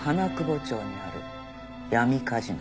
町にある闇カジノ。